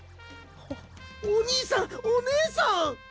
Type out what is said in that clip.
おにいさんおねえさん！